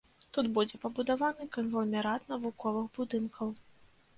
Тут будзе пабудаваны кангламерат навуковых будынкаў.